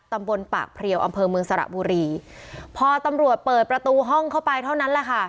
ตำบลปากเพลียวอำเภอเมืองสระบุรีพอตำรวจเปิดประตูห้องเข้าไปเท่านั้นแหละค่ะ